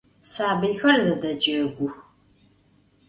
Sabıyxer zedecegux.